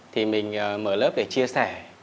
thì mình mở lớp để chia sẻ